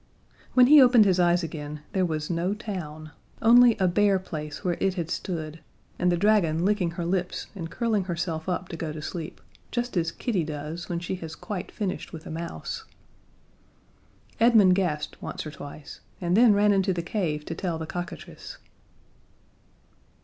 When he opened his eyes again there was no town only a bare place where it had stood, and the dragon licking her lips and curling herself up to go to sleep, just as Kitty does when she has quite finished with a mouse. Edmund gasped once or twice, and then ran into the cave to tell the cockatrice.